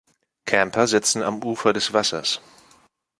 Camper sitzen am Ufer des Wassers.